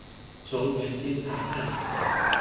球員兼裁判